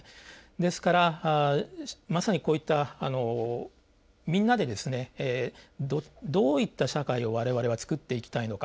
ですから、まさにこういったみんなでどういった社会を我々は作っていきたいのか。